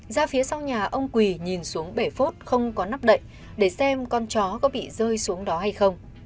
ra phía sau nhà ông quỳ nhìn xuống bể phốt không có nắp đậy để xem con chó có bị rơi xuống đó hay không